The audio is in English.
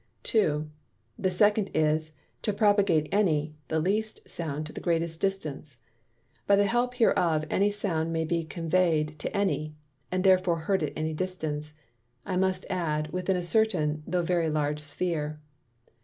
2. The second is, To propagate any (the least) Sound to the greatest distance. By the help hereof any Sound may be convey'd to any, and therefore heard at any distance, (I must add, within a certain, tho' very large Sphere.)